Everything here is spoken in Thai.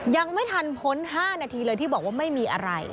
ยังไม่ทันพ้น๕นาทีเลยที่บอกว่าไม่มีอะไร